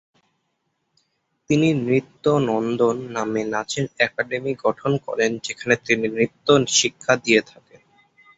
তিনি নৃত্য নন্দন নামে নাচের একাডেমি গঠন করেন যেখানে তিনি নৃত্য শিক্ষা দিয়ে থাকেন।